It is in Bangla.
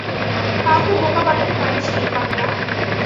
কাউকে বোকা বানাতে পারিসনি, পাগলা।